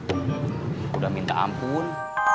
saya sudah minta ampun